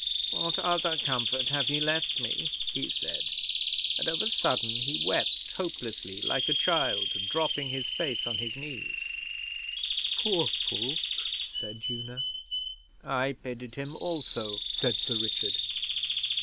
'"What other comfort have ye left me?" he said, and of a sudden he wept hopelessly like a child, dropping his face on his knees.' 'Poor Fulke,' said Una. 'I pitied him also,' said Sir Richard.